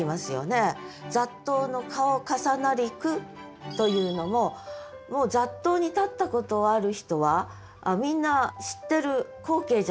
「雑踏の顔重なり来」というのも雑踏に立ったことある人はみんな知ってる光景じゃないですか。